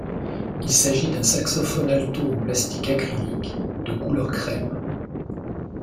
Il s'agit d'un saxophone alto en plastique acrylique de couleur crème.